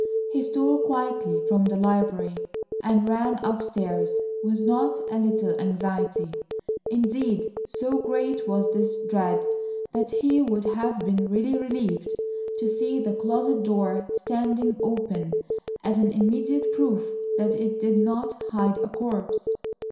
He stole quietly from the library and ran up stairs with not a little anxiety. Indeed so great was his dread that he would have been really relieved to see the closet door standing open as an immediate proof that it did not hide a corpse.